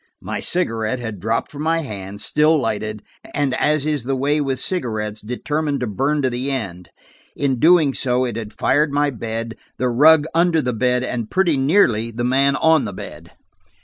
My cigarette had dropped from my hand, still lighted, and as is the way with cigarettes, determined to burn to the end. In doing so it had fired my bed, the rug under the bed and pretty nearly the man on the bed.